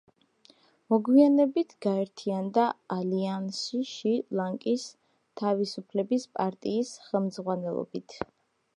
მოგვიანებით გაერთიანდა ალიანსში შრი-ლანკის თავისუფლების პარტიის ხელმძღვანელობით.